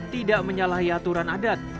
tidak menyalahi aturan adat